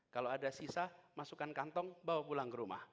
kalau ada sisa masukkan kantong bawa pulang ke rumah